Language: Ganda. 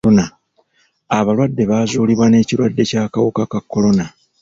Abalwadde baazuulibwa n'ekirwadde ky'akawuka ka kolona